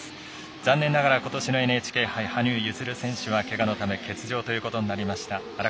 残念ながら、ことしのＮＨＫ杯羽生結弦選手はけがのため欠場となりました。